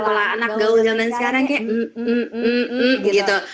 kalau anak gaul jalanan sekarang kayak mm mm mm mm gitu